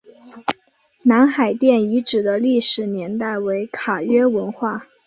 南海殿遗址的历史年代为卡约文化。